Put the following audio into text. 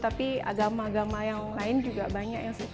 tapi agama agama yang lain juga banyak yang suka